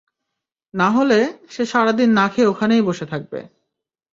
নাহলে, সে সারাদিন না খেয়ে ওখানেই বসে থাকবে।